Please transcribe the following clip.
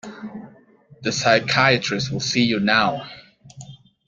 The psychiatrist will see you now.